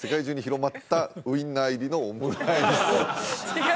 違う？